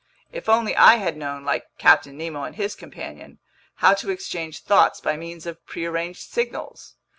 If only I had known, like Captain Nemo and his companion, how to exchange thoughts by means of prearranged signals!